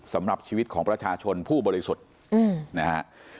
สำหรับชีวิตของประชาชนผู้บริสุทธิ์นะฮะ